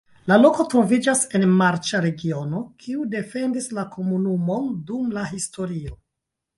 La loko troviĝas en marĉa regiono, kiu defendis la komunumon dum la historio.